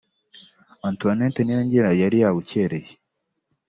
Antoinette Niyongira yari yabukereye